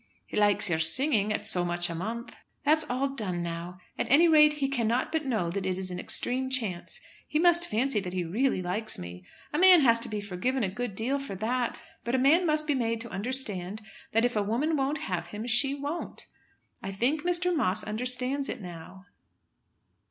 "He likes your singing, at so much a month." "That's all done now. At any rate, he cannot but know that it is an extreme chance. He must fancy that he really likes me. A man has to be forgiven a good deal for that. But a man must be made to understand that if a woman won't have him, she won't! I think Mr. Moss understands it now."